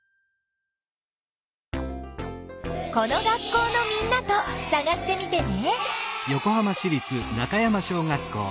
この学校のみんなとさがしてみてね。